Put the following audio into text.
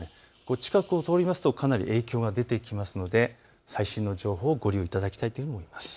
近くを通りますとかなり影響が出てきますので最新の情報をご利用いただきたいと思います。